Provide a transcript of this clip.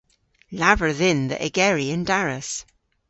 Lavar dhyn dhe ygeri an daras.